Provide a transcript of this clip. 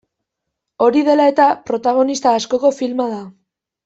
Hori dela eta, protagonista askoko filma da.